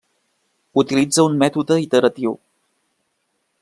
Utilitza un mètode iteratiu.